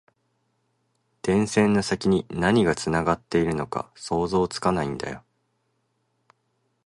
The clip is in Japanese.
電線の先に何がつながっているのか想像つかないんだよ